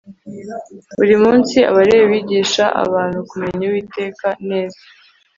buri munsi abalewi bigishaga [abantu] kumenya uwiteka neza